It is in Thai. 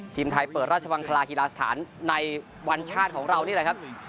ทีมไทยเปิดราชบังคลาฮีลาสถานในวันชาติของเรานี่แหละครับ